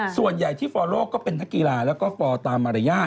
ส่วนใหญ่ที่ฟอร์โลก็เป็นนักกีฬาแล้วก็ฟอร์ตามมารยาท